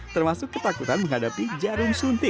termasuk ketakutan menghadapi jarum suntik